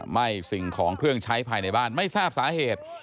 ไหม้สิ่งของเครื่องใช้ภายในบ้านไม่ทราบสาเหตุ